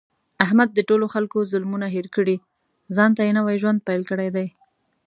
احمد د ټولو خلکو ظلمونه هېر کړي، ځانته یې نوی ژوند پیل کړی دی.